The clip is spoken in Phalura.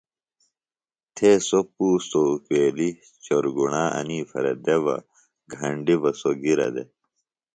تھے سوۡ پُوستوۡ اُکیلیۡ چورگُݨا انی پھرےۡ دےۡ بہ گھنڈیۡ بہ سوۡ گِرہ دےۡ